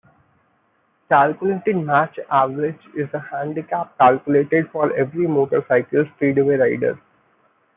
Calculated Match Average is a handicap calculated for every motorcycle speedway rider.